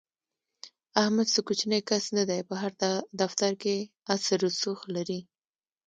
احمد څه کوچنی کس نه دی، په هر دفتر کې اثر رسوخ لري.